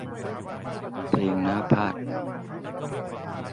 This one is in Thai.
เพลงหน้าพาทย์